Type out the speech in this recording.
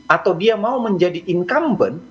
atau dia mau menjadi incumbent